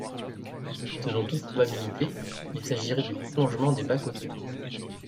Selon toute probabilité, il s’agirait du prolongement des bas-côtés.